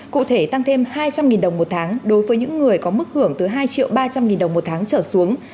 cụ thể tăng thêm hai trăm linh đồng một tháng đối với những người có mức hưởng từ hai triệu ba trăm linh đồng một tháng trở xuống